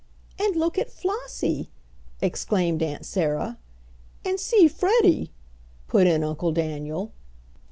"And look at Flossie!" exclaimed Aunt Sarah. "And see Freddie!" put in Uncle Daniel.